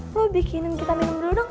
fu bikinin kita minum dulu dong